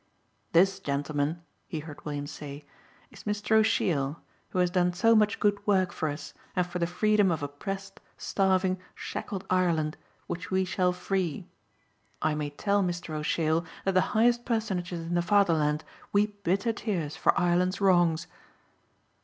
"This, gentlemen," he heard Williams say, "is Mr. O'Sheill, who has done so much good work for us and for the freedom of oppressed, starving, shackled Ireland, which we shall free. I may tell Mr. O'Sheill that the highest personages in the Fatherland weep bitter tears for Ireland's wrongs."